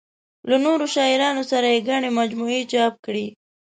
له نورو شاعرانو سره یې ګڼې مجموعې چاپ کړې.